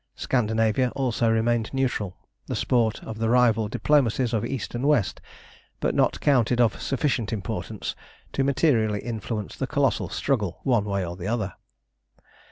Scandinavia also remained neutral, the sport of the rival diplomacies of East and West, but not counted of sufficient importance to materially influence the colossal struggle one way or the other.